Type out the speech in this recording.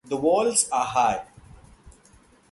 The walls are high.